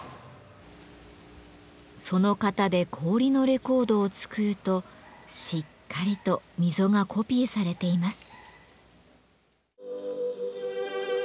その型で氷のレコードを作るとしっかりと溝がコピーされています。